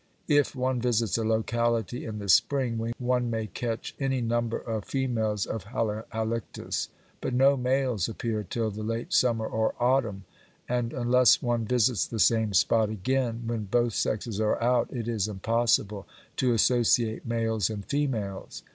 If one visits a locality in the spring one may catch any number of females of Halictus, but no males appear till the late summer or autumn, and, unless one visits the same spot again when both sexes are out, it is impossible to associate males and females.